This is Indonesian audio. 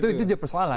nah itu saja persoalan